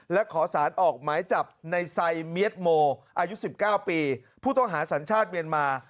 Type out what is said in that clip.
และขอสารออกหมายจับในไซเมียดโมอายุ๑๙ปีผู้ต้องหาสัญชาติเมียนมา